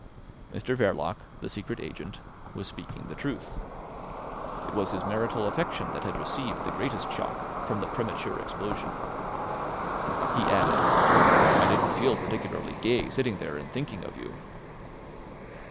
Mr Verloc, the Secret Agent, was speaking the truth. It was his marital affection that had received the greatest shock from the premature explosion. He added: "I didn't feel particularly gay sitting there and thinking of you."